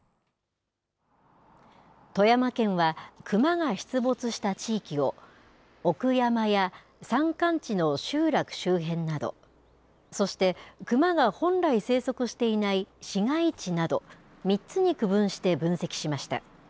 富山県は、クマが出没した地域を、奥山や山間地の集落周辺など、そしてクマが本来生息していない市街地など、３つに区分して分析しました。